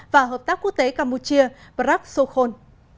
và hợp tác quốc tế campuchia brak sokhon